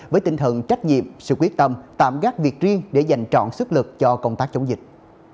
với tinh thần trách nhiệm sự quyết tâm tạm gác việc riêng để dành trọn sức lực cho công tác chống dịch